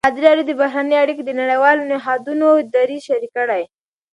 ازادي راډیو د بهرنۍ اړیکې د نړیوالو نهادونو دریځ شریک کړی.